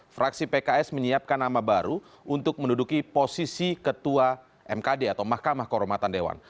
fraksi pks menyiapkan nama baru untuk menduduki posisi ketua mkd atau mahkamah kehormatan dewan